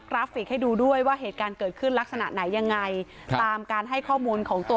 ราฟิกให้ดูด้วยว่าเหตุการณ์เกิดขึ้นลักษณะไหนยังไงตามการให้ข้อมูลของตัว